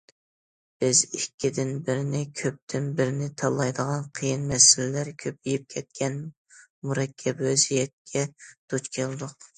بىز ئىككىدىن بىرنى، كۆپتىن بىرنى تاللايدىغان قىيىن مەسىلىلەر كۆپىيىپ كەتكەن مۇرەككەپ ۋەزىيەتكە دۇچ كەلدۇق.